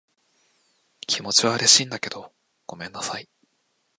気持ちは嬉しいんだけど、ごめんなさい。